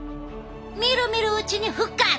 みるみるうちに復活！